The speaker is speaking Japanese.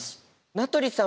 名取さん。